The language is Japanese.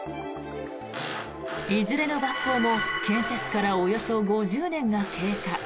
いずれの学校も建設からおよそ５０年が経過。